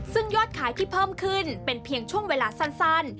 ซึ่งยอดขายที่เพิ่มขึ้นเป็นเพียงช่วงเวลาสั้น